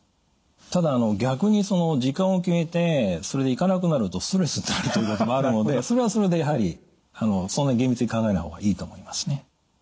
ただ逆に時間を決めてそれで行かなくなるとストレスになるということもあるのでそれはそれでやはりそんな厳密に考えない方がいいと思いますね。